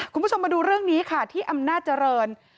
คุณผู้ชมมาดูเรื่องนี้ค่ะที่อำนาจเจริญ